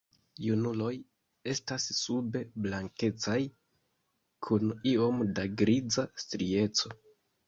Junuloj estas sube blankecaj kun iom da griza strieco.